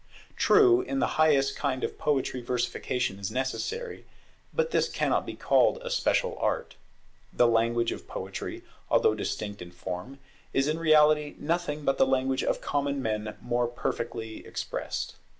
True, in the highest kind of poetry versification is necessary; but this cannot be called a special art. The language of Poetry, although distinct in form, is in reality nothing but the language of common men more perfectly expressed.